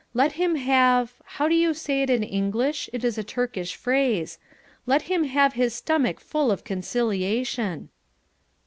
Let him have how do you say it in English, it is a Turkish phrase let him have his stomach full of conciliation."